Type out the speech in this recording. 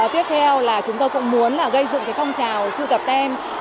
tiếp theo là chúng tôi cũng muốn là gây dựng cái phong trào sự cập tem